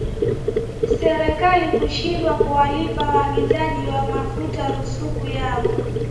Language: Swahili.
serikali kushindwa kuwalipa waagizaji wa mafuta ruzuku yao